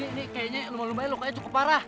ini kayaknya lembah lembahnya lo kayaknya cukup parah